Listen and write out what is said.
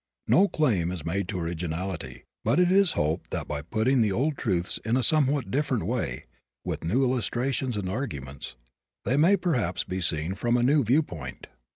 No claim is made to originality but it is hoped that by putting the old truths in a somewhat different way, with new illustrations and arguments, they may perhaps be seen from a new viewpoint.